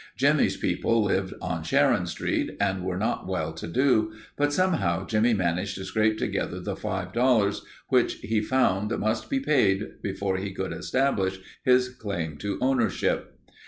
Jimmie's people lived on Sharon Street and were not well to do, but somehow Jimmie managed to scrape together the five dollars which he found must be paid before he could establish his claim to ownership.